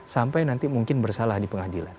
sampai nanti mungkin bersalah di pengadilan